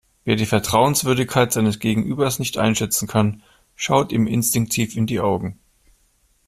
Wer die Vertrauenswürdigkeit seines Gegenübers nicht einschätzen kann, schaut ihm instinktiv in die Augen.